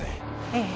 ええ。